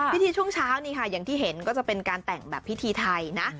ช่วงเช้านี่ค่ะอย่างที่เห็นก็จะเป็นการแต่งแบบพิธีไทยนะ